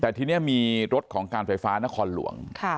แต่ทีนี้มีรถของการไฟฟ้านครหลวง